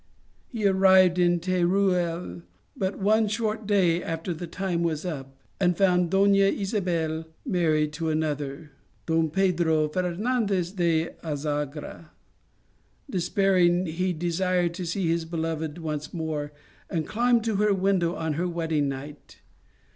He arrived in Teruel but one short day after the time was up, and found Dona Isabel married to another, Don Pedro Fernandez de Azagra. Despairing, he desired to see his beloved once more, and climbed to her window on her wedding night.